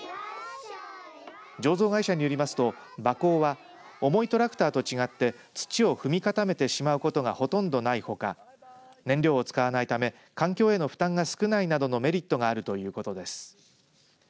醸造会社によりますと馬耕は重いトラクターと違って土を踏み固めてしまうことがほとんどないほか燃料を使わないため環境への負担が少ないなどのメリットがあるということです。